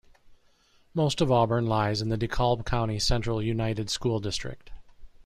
Most of Auburn lies in the DeKalb County Central United School District.